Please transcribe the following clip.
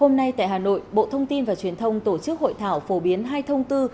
hôm nay tại hà nội bộ thông tin và truyền thông tổ chức hội thảo phổ biến hai thông tư